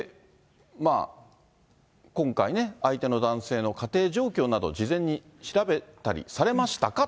今回、相手の男性の家庭状況など事前に調べたりされましたか？